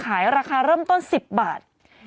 ขายราคาเริ่มต้น๑๐บาท